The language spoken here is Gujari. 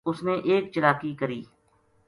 اس نے ایک چلاکی کری